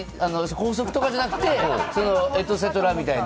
高速とかじゃなくてエトセトラっていう。